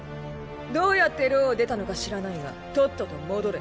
どうやって牢を出たのか知らないがとっとと戻れ。